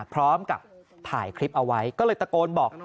พร้อมกับถ่ายคลิปเอาไว้ก็เลยตะโกนบอก